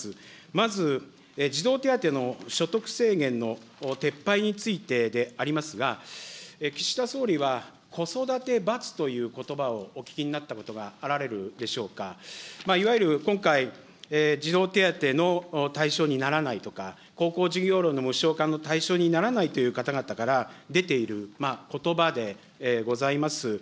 まず、児童手当の所得制限の撤廃についてでありますが、岸田総理は子育て罰ということばをお聞きになったことがあられるでしょうか。いわゆる今回、児童手当の対象にならないとか、高校授業料の無償化の対象にならないという方々から出ていることばでございます。